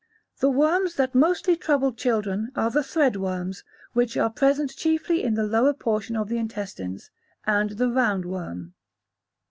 The worms that mostly trouble children are the thread worms, which are present chiefly in the lower portion of the intestines, and the round worm.